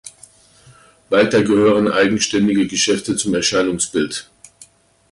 Weiter gehören eigenständige Geschäfte zum Erscheinungsbild.